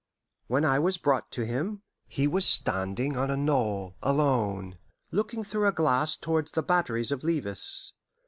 When I was brought to him, he was standing on a knoll alone, looking through a glass towards the batteries of Levis.